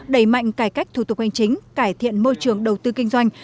đẩy mạnh cải cách thủ tục hành chính cải thiện môi trường đầu tư kinh doanh